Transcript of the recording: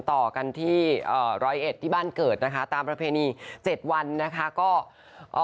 ต่อกันที่รวยเอ็ดที่บ้านเกิดตามประเพณี๗วันข้าง